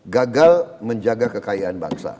gagal menjaga kekayaan bangsa